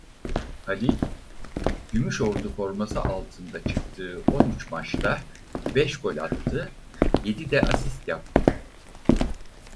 Halil Gümüşordu forması altında çıktığı on üç maçta beş gol attı yedi de asist yaptı.